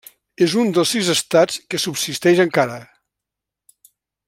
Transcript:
És un dels sis estats que subsisteix encara.